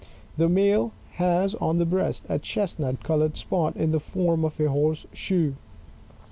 The male has on the breast a chestnut coloured spot in the form of a horse shoe.